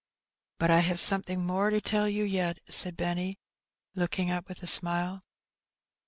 "But I have something more to tell you yet," said Benny, looking up with a smile.